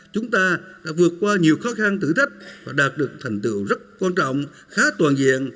chúng ta đã vượt qua nhiều khó khăn thử thách và đạt được thành tựu rất quan trọng khá toàn diện